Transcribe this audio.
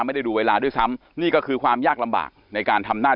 ไม่ได้ดูเวลาด้วยซ้ำนี่ก็คือความยากลำบากในการทำหน้าที่